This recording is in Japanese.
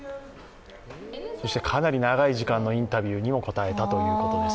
かなり長い時間のインタビューにも答えたということです。